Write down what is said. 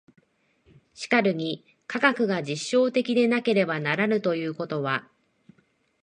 しかるに科学が実証的でなければならぬということは、